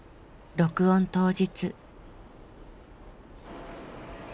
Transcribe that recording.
録音当日。